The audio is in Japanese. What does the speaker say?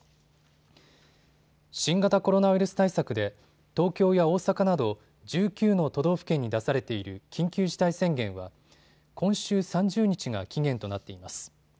新型コロナウイルス対策で東京や大阪など１９の都道府県に出されている緊急事態宣言は今週３０日が期限となっています。